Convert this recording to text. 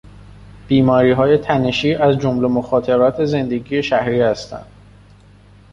بیماریهای تنشی از جمله مخاطرات زندگی شهری هستند.